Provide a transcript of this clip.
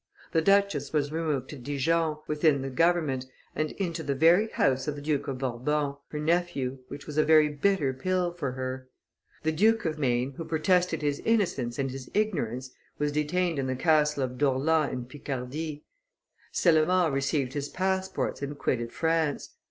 The duchess was removed to Dijon, within the government, and into the very house of the Duke of Bourbon, her nephew, which was a very bitter pill for her. The Duke of Maine, who protested his innocence and his ignorance, was detained in the Castle of Dourlans in Picardy. Cellamare received his passports and quitted France.